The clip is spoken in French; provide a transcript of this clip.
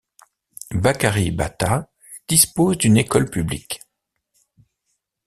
Bakari Bata dispose d'une école publique.